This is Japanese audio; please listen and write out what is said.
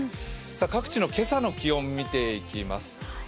各地の今朝の気温見ていきます。